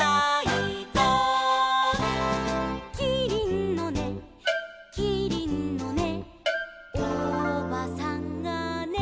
「キリンのねキリンのねおばさんがね」